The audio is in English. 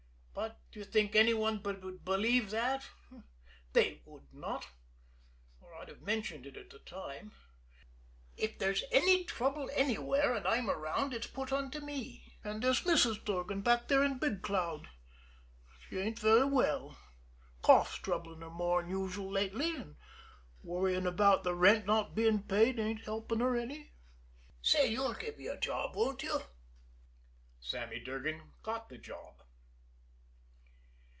But do you think any one would believe that? They would not or I'd have mentioned it at the time. If there's any trouble anywhere and I'm around it's put onto me. And there's Mrs. Durgan back there to Big Cloud. She ain't very well. Cough's troubling her more'n usual lately, and worrying about the rent not being paid ain't helping her any. Say, you'll give me a job, won't you?" Sammy Durgan got the job.